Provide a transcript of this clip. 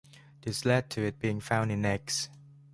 This led to it being found in eggs.